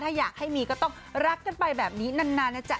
ถ้าอยากให้มีก็ต้องรักกันไปแบบนี้นานนะจ๊ะ